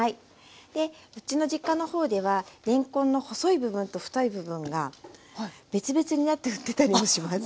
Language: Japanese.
うちの実家の方ではれんこんの細い部分と太い部分が別々になって売ってたりもします。